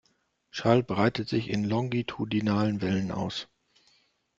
Schall breitet sich in longitudinalen Wellen aus.